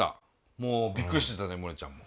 もうびっくりしてたねモネちゃんも。